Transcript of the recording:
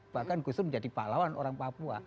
bahkan gustur menjadi pahlawan orang papua